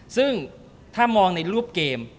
ซึ่งถ้ามองในรูปเกม